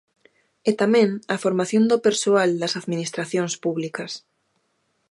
E tamén a formación do persoal das administracións públicas.